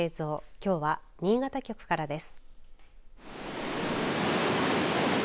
きょうは新潟局からです。